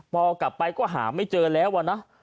พอกลับไปก็หาไม่เจอแล้วอะนะ